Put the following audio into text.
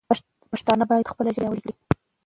پښتانه باید خپله ژبه پیاوړې کړي.